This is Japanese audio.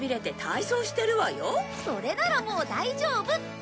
それならもう大丈夫！